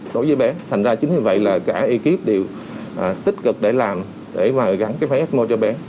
đối với bé thành ra chính như vậy là cả ekip đều tích cực để làm để mà gắn cái máy ecmo cho bé